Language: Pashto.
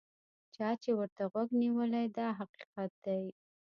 چا چې ورته غوږ نیولی دا حقیقت دی.